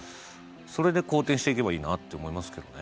それで好転していけばいいなって思いますけどね。